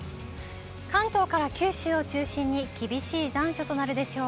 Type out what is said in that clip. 関東から九州を中心に厳しい残暑となるでしょう。